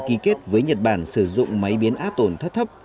việt nam ký kết với nhật bản sử dụng máy biến áp tổn thất thấp